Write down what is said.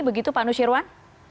begitu pak nusirwan